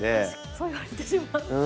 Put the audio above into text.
そう言われてしまうと。